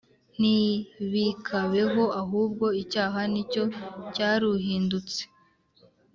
Ntibikabeho Ahubwo Icyaha Ni Cyo Cyaruhindutse